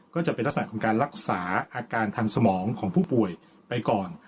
ก็จะเป็นลักษณะของการรักษาอาการทางสมองของผู้ป่วยไปก่อน